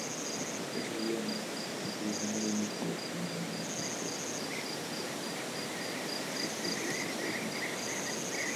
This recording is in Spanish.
Ese día el tribunal emitió una orden de confidencialidad respecto a los procedimientos.